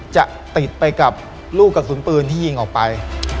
จะติดไปกับลูกกระสุนปืนที่ยิงออกไป